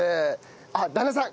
あっ旦那さん